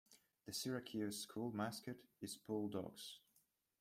The Syracuse school mascot is Bulldogs.